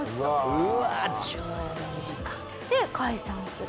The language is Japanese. うわあ１２時間。で解散する。